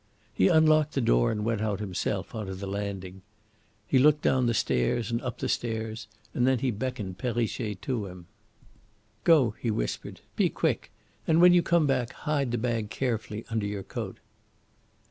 He unlocked the door and went out himself on to the landing. He looked down the stairs and up the stairs; then he beckoned Perrichet to him. "Go!" he whispered. "Be quick, and when you come back hide the bag carefully under your coat."